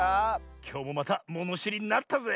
きょうもまたものしりになったぜ！